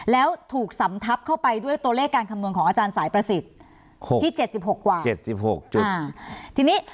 แล้วถูกสัมทับด้วยตัวเลขการคำนวณของอาจารย์สายประสิทธิ์ที่๗๖